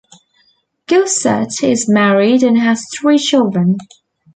Gossett is married and has three children.